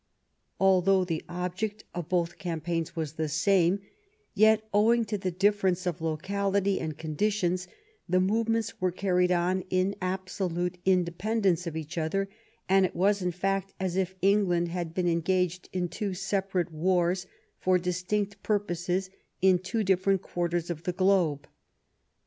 Although the object of both campaigns was the same, yet ow ing to the difference of locality and conditions, the movements were carried on in absolute independence of each other, and it was, in fact, as if England had been engaged in two separate wars for distinct pur poses in two different quarters of the globe.